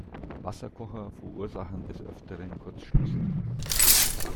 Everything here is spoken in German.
Wasserkocher verursachen des Öfteren Kurzschlüsse.